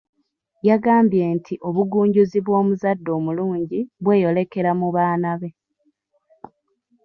Yagambye nti obugunjuzi bw’omuzadde omulungi bweyolekera mu baana be.